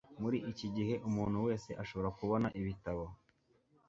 muri iki gihe, umuntu wese ashobora kubona ibitabo